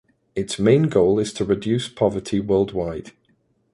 Its main goal is to reduce poverty worldwide.